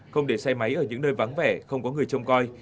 không để xe máy ở những nơi vắng vẻ không có người trông coi